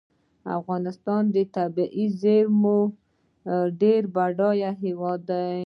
افغانستان د طبیعي زیرمو یو ډیر بډایه هیواد دی.